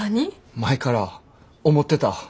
前から思ってた。